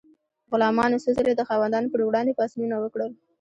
غلامانو څو ځلې د خاوندانو پر وړاندې پاڅونونه وکړل.